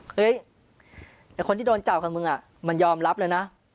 เฮ้ยไอ้คนที่โดนจับกับมึงมันยอมรับเลยนะ